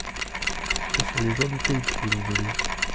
Ce sont les gens du pays qui me l’ont donné.